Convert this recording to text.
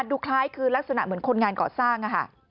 ดูคล้ายคือลักษณะเหมือนคนงานก่อสร้าง